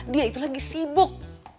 dia itu lagi sibuk